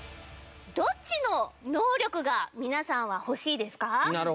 どっちの能力が皆さんは欲しいですか？